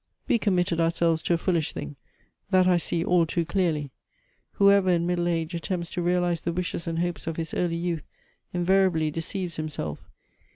" We committed frselves to a foolish thing, that I see all too clearly, hoever, in middle age, attempts to realize the wishes and hopes of his early youth, invariably deceives himself.